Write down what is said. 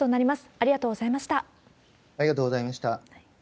ありがありがとうございました。